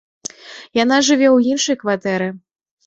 Яна жыве ў іншай кватэры.